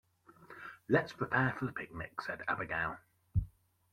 "Let's prepare for the picnic!", said Abigail.